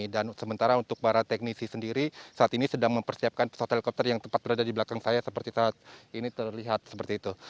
dan sementara untuk para teknisi sendiri saat ini sedang mempersiapkan pesawat helikopter yang tepat berada di belakang saya seperti saat ini terlihat seperti itu